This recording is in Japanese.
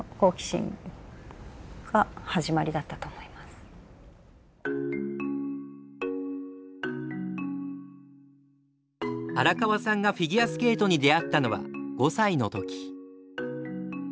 何かあのやっぱり荒川さんがフィギュアスケートに出会ったのは５歳の時。